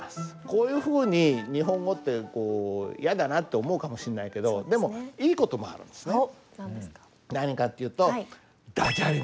こういうふうに日本語ってこうやだなって思うかもしんないけどでもいいこともあるんですね。